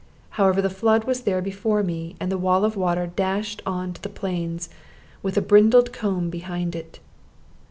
However, the flood was there before me, and the wall of water dashed on to the plains, with a brindled comb behind it.